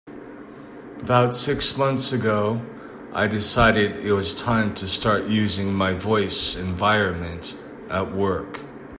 About six months ago, I decided it was time to start using my voice environment at work.